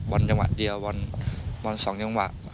บอลอย่างหวะเดียวบอลสองอย่างหวะ